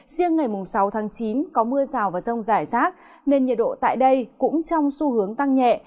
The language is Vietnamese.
riêng ngày sáu tháng chín có mưa rào và rông rải rác nên nhiệt độ tại đây cũng trong xu hướng tăng nhẹ